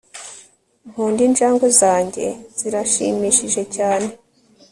nkunda injangwe zanjye, zirashimishije cyane